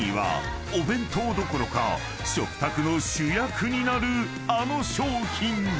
［お弁当どころか食卓の主役になるあの商品］